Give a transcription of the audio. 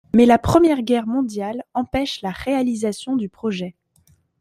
Mais la Première Guerre mondiale empêche la réalisation du projet.